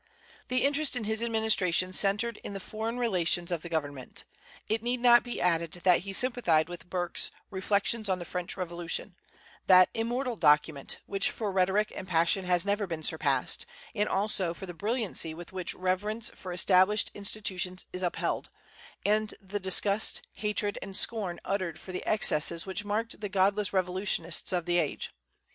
The interest in his administration centred in the foreign relations of the government. It need not be added that he sympathized with Burke's "Reflections on the French Revolution," that immortal document which for rhetoric and passion has never been surpassed, and also for the brilliancy with which reverence for established institutions is upheld, and the disgust, hatred, and scorn uttered for the excesses which marked the godless revolutionists of the age.